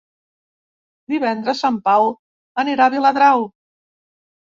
Divendres en Pau anirà a Viladrau.